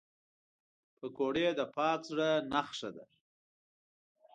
پکورې د پاک زړه نښه ده